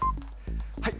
はい。